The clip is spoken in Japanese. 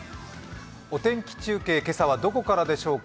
お天気中継、今朝はどこからでしょうか。